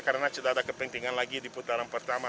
karena tidak ada kepentingan lagi di putaran pertama